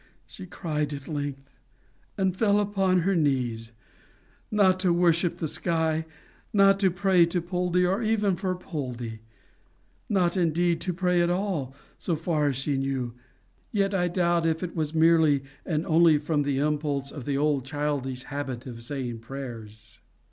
she cried at length, and fell upon her knees not to worship the sky not to pray to Poldie, or even for Poldie not indeed to pray at all, so far as she knew; yet I doubt if it was merely and only from the impulse of the old childish habit of saying prayers.